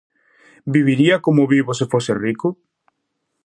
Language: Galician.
Viviría como vivo se fose rico?